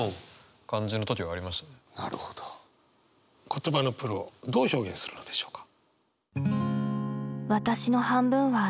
言葉のプロどう表現するのでしょうか？